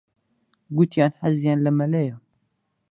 گوتیان حەزیان لە مەلەیە.